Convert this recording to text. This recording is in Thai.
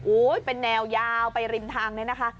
เป็นแนวยาวไปริมทางนี้นะคะ